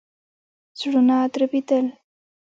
زړونه دربېدل.